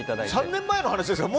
３年前の話ですか。